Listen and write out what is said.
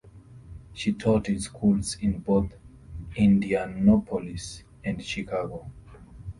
She taught in schools in both Indianapolis and Chicago.